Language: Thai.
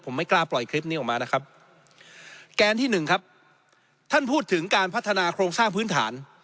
ผมไม่กล้าปล่อยคลิปนี้ออกมานะครับแกนที่หนึ่งครับท่านพูดถึงการพัฒนาโครงสร้างพื้นฐาน